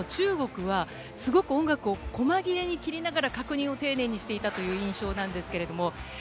一方の中国は音楽を細切れに切りながら確認を丁寧にしていたという印象です。